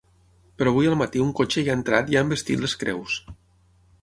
Però avui al matí un cotxe hi ha entrat i ha envestit les creus.